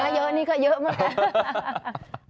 อ๋อยังเยอะนี่ก็เยอะมาก